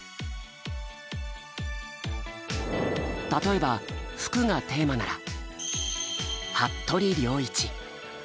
例えば「服」がテーマなら「服部良一」。